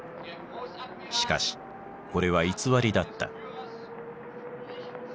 しかしこれは偽りだった。